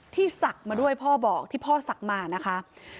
ศักดิ์มาด้วยพ่อบอกที่พ่อศักดิ์มานะคะ